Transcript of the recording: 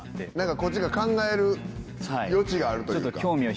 こっちが考える余地があるというか。